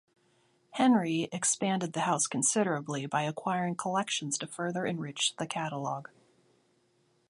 Henri expanded the house considerably by acquiring collections to further enrich the catalogue.